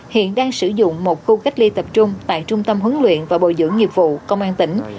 hiện đang sử dụng một khu cách ly tập trung tại trung tâm huấn luyện và bồi dưỡng nghiệp vụ công an tỉnh